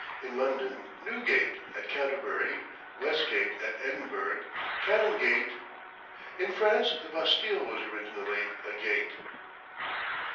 In London, Newgate; at Canterbury, Westgate; at Edinburgh, Canongate. In France the Bastile was originally a gate.